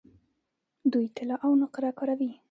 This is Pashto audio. دوی طلا او نقره کاروي.